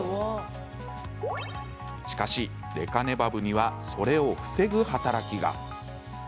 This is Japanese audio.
しかし、レカネマブにはそれを防ぐ働きが。